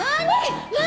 何？